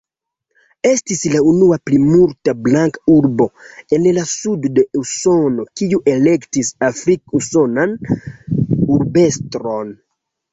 Estis la unua plimulta-blanka urbo en la Sudo de Usono kiu elektis afrik-usonan urbestron.